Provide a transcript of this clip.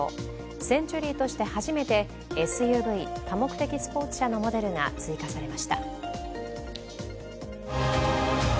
センチュリーとして初めてＳＵＶ＝多目的スポーツ車のモデルが追加されました。